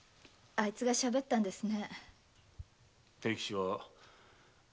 あいつがそう言ったんですか？